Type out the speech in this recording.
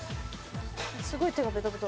すごい手がベタベタ。